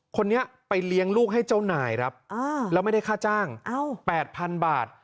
คนนี้ไปเลี้ยงลูกให้เจ้านายครับแล้วไม่ได้ค่าจ้าง๘๐๐๐บาท